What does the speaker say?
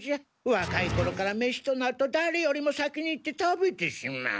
若い頃から飯となるとだれよりも先に行って食べてしまう。